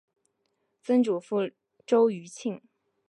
曾祖父周余庆。